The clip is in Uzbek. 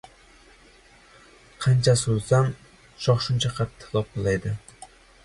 Qancha surilsam, shox shuncha qattiq lopillaydi.